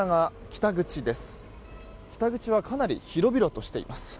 北口はかなり広々としています。